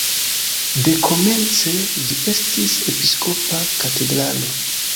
Dekomence ĝi estis episkopa katedralo.